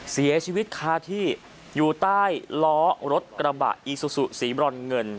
เสียชีวิตคาที่อยู่ใต้ล้อรถกระบะอีซูซูสีบรอนเงิน